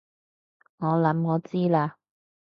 我諗我知喇